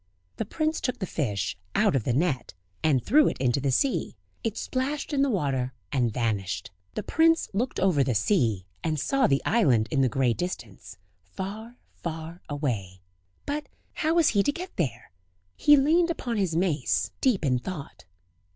The prince took the fish out of the net, and threw it into the sea; it splashed in the water, and vanished. The prince looked over the sea, and saw the island in the grey distance, far, far away; but how was he to get there? He leaned upon his mace, deep in thought.